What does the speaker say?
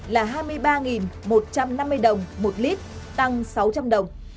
là hai mươi ba một trăm năm mươi đồng một lít tăng sáu trăm linh đồng